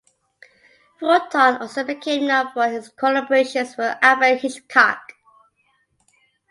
Fulton also became known for his collaborations with Alfred Hitchcock.